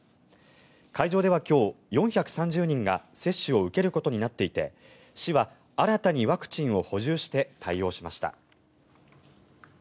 会場では今日、４３０人が接種を受けることになっていて市は新たにワクチンを補充して対応しました。